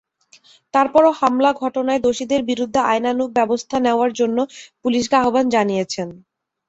তারপরও হামলার ঘটনায় দোষীদের বিরুদ্ধে আইনানুগ ব্যবস্থা নেওয়ার জন্য পুলিশকে আহ্বান জানিয়েছেন।